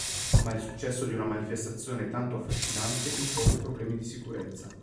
Ma il successo di una manifestazione tanto affascinante impose problemi di sicurezza.